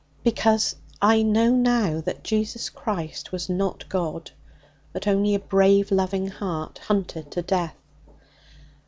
'Because I know now that Jesus Christ was not God, but only a brave, loving heart hunted to death.'